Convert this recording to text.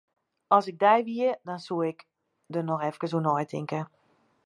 As ik dy wie, dan soe ik der noch efkes oer neitinke.